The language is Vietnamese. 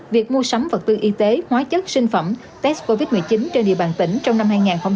việc mua sắm vật tư y tế hóa chất sinh phẩm test covid một mươi chín trên địa bàn tỉnh trong năm hai nghìn hai mươi